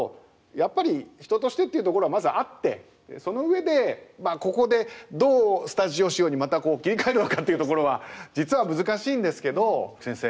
やっぱり人としてっていうところはまずあってその上でここでどうスタジオ仕様にまた切り替えるのかっていうところは実は難しいんですけど先生